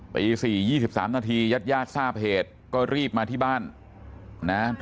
ปี๔๒๓นาทียาดทราบเหตุก็รีบมาที่บ้านนะ